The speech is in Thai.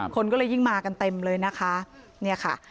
คนก็เลยยิ่งมากันเต็มเลยนะคะเนี่ยค่ะ